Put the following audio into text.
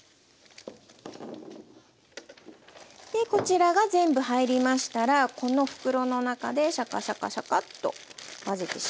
こちらが全部入りましたらこの袋の中でシャカシャカシャカッと混ぜてしまいます。